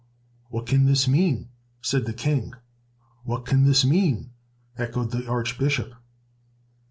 "What can this mean?" said the King. "What can this mean?" echoed the Archbishop.